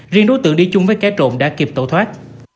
riêng đối tượng đi chung với cái trộn đã kịp tẩu thoát